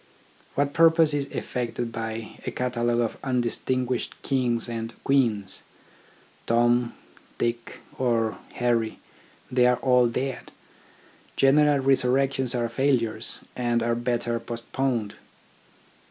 What purpose is effected by a catalogue of undistinguished kings and queens ? Tom, Dick, or Harry, they are all dead. General resurrections are failures, and are better post poned.